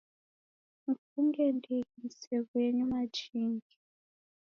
Mfunge ndighi msew'uye nyuma jingi